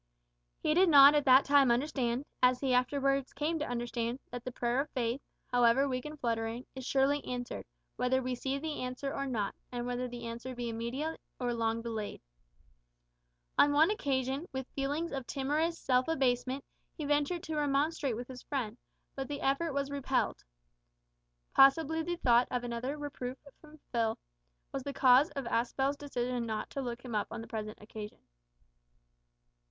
He did not at that time understand, as he afterwards came to understand, that the prayer of faith however weak and fluttering is surely answered, whether we see the answer or not, and whether the answer be immediate or long delayed. On one occasion, with feelings of timorous self abasement, he ventured to remonstrate with his friend, but the effort was repelled. Possibly the thought of another reproof from Phil was the cause of Aspel's decision not to look him up on the present occasion.